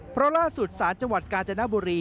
เพราะล่าสุดศาลจังหวัดกาญจนบุรี